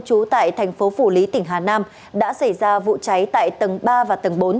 trú tại thành phố phủ lý tỉnh hà nam đã xảy ra vụ cháy tại tầng ba và tầng bốn